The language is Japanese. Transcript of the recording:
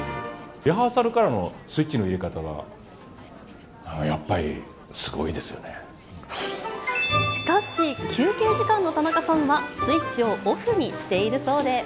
リハーサルからのスイッチの入れ方がなんかやっぱりすごいですよしかし、休憩時間の田中さんは、スイッチをオフにしているそうで。